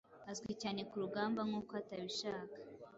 Azwi cyane kurugamba nkuko atabishaka